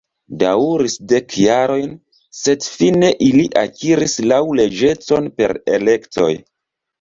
Daŭris dek jarojn, sed fine ili akiris laŭleĝecon per elektoj.